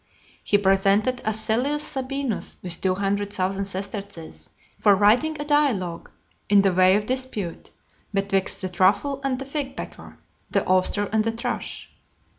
He presented Asellius Sabinus with two hundred thousand sesterces, for writing a dialogue, in the way of dispute, betwixt the truffle and the fig pecker, the oyster and the thrush.